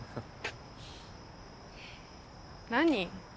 何？